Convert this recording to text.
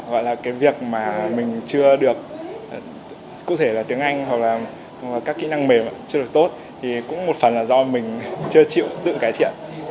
gọi là cái việc mà mình chưa được cụ thể là tiếng anh hoặc là các kỹ năng mềm chưa được tốt thì cũng một phần là do mình chưa chịu tự cải thiện